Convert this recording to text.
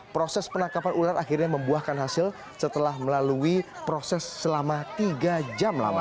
proses penangkapan ular akhirnya membuahkan hasil setelah melalui proses selama tiga jam lama